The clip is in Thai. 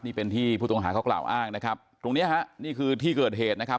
นี่เป็นที่ผู้ต้องหาเขากล่าวอ้างนะครับตรงเนี้ยฮะนี่คือที่เกิดเหตุนะครับ